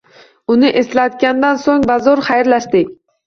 Uni eslatgandan soʻng bazoʻr xayrlashdik.